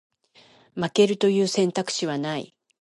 負けるという選択肢はない